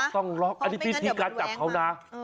ต้องล็อกอันนี้พิธีการจับเขานะ